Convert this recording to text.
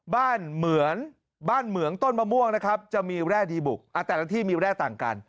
เหมือนบ้านเหมืองต้นมะม่วงนะครับจะมีแร่ดีบุกแต่ละที่มีแร่ต่างกัน